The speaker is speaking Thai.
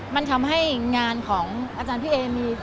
มันทำให้งานของอาจารย์พี่เอมี